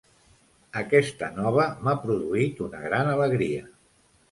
Aquesta nova m'ha produït una gran alegria.